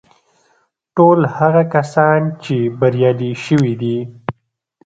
ټول هغه کسان چې بريالي شوي دي.